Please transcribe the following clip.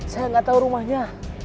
saya gak tau rumahnya